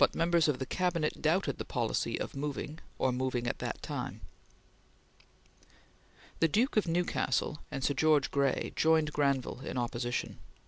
members of the Cabinet doubted the policy of moving, or moving at that time." The Duke of Newcastle and Sir George Grey joined Granville in opposition.